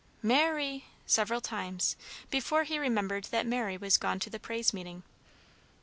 Ma ry!" several times, before he remembered that Mary was gone to the praise meeting.